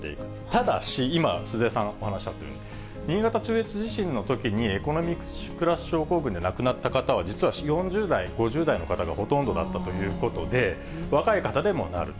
ただし、今、鈴江さんお話あったように、新潟中越地震のときに、エコノミークラス症候群で亡くなった方は実は４０代、５０代の方がほとんどだったということで、若い方でもなる。